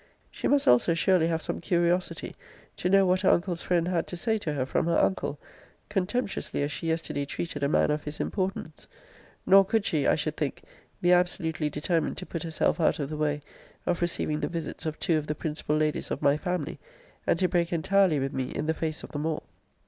She must also surely have some curiosity to know what her uncle's friend had to say to her from her uncle, contemptuously as she yesterday treated a man of his importance. Nor could she, I should think, be absolutely determined to put herself out of the way of receiving the visits of two of the principal ladies of my family, and to break entirely with me in the face of them all.